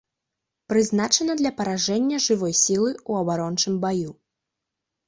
Прызначана для паражэння жывой сілы ў абарончым баю.